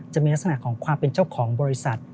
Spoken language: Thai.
จะมีลักษณะของความเป็นเจ้าของบริษัท